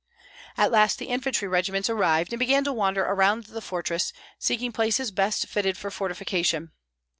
At last the infantry regiments arrived and began to wander around the fortress, seeking places best fitted for fortification.